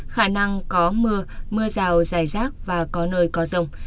khả năng có mưa mưa rào dài rác và có nơi có rông